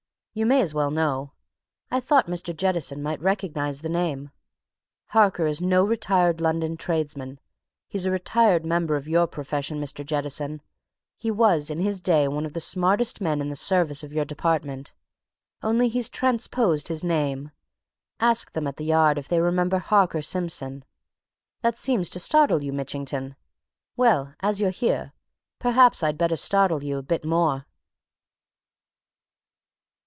"You may as well know. I thought Mr. Jettison might recognize the name. Harker is no retired London tradesman he's a retired member of your profession, Mr. Jettison. He was in his day one of the smartest men in the service of your department. Only he's transposed his name ask them at the Yard if they remember Harker Simpson? That seems to startle you, Mitchington! Well, as you're here, perhaps I'd better startle you a bit more."